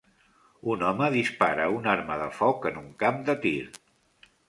Un home dispara una arma de foc en un camp de tir.